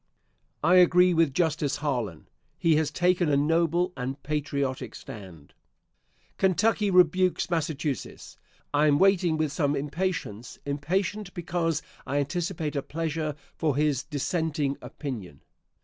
I agree with Justice Harlan. He has taken a noble and patriotic stand. Kentucky rebukes Massachusetts! I am waiting with some impatience impatient because I anticipate a pleasure for his dissenting opinion.